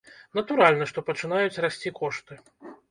Натуральна, што пачынаюць расці кошты.